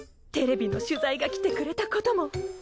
テレビの取材が来てくれたことも。